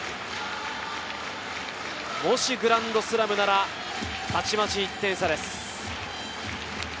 もしグランドスラムなら、たちまち１点差です。